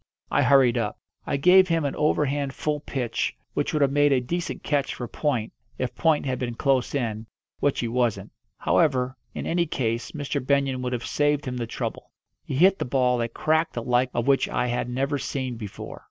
I hurried up. I gave him an overhand full pitch which would have made a decent catch for point, if point had been close in, which he wasn't. However, in any case Mr. Benyon would have saved him the trouble. He hit the ball a crack the like of which I had never seen before.